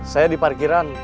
saya di parkiran